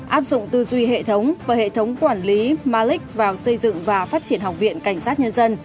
áp dụng tư duy hệ thống và hệ thống quản lý malik vào xây dựng và phát triển học viện cảnh sát nhân dân